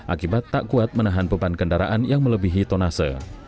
akibat tak kuat menahan beban kendaraan yang melebihi tonase